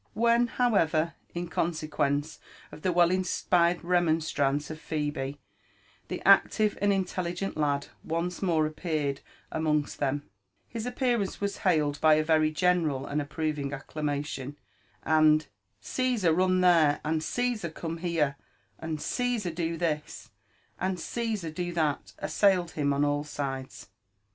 When, however, in con^ sequence of the well inspired remonstrance of Phebe, the active and intelligent lad once more appeared amongst them, his appearance was hailed by a very general and approving acclamation ; and '* Giesar, run there," and '*C»sar, come here," and ''Caesar, do this," and ''C»sar, do that," assailed him on all sides.